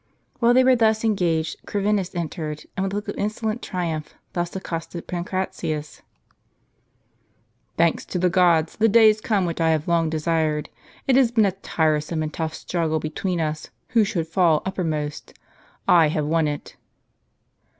While they were thus engaged, Corvinus entered, and, & with a look of insolent tminiph, thus accosted Pancra tius : "Thanks to the gods, the day is come which I have long desired. It has been a tiresome and tough struggle between us who should fall uppermost. I have won it."